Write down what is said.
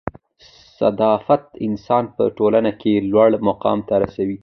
صدافت انسان په ټولنه کښي لوړ مقام ته رسوي.